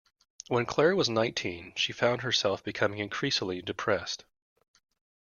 When Claire was nineteen she found herself becoming increasingly depressed